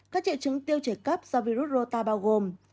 các triệu chứng tiêu chảy cấp do virus rô ta bao gồm